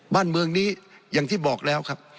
บ้านเมืองนี้อย่างที่บอกแล้วครับ